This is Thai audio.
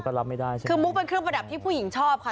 คือมุกเป็นเครื่องประดับที่ผู้หญิงชอบค่ะ